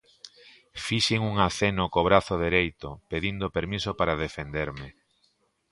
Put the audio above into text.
Fixen un aceno co brazo dereito, pedindo permiso para defenderme.